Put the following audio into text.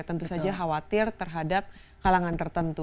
tentu saja khawatir terhadap kalangan tertentu